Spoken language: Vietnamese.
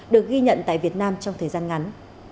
được ghi nhận tại việt nam trong thời gian ngắn